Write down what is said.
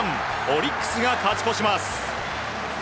オリックスが勝ち越します。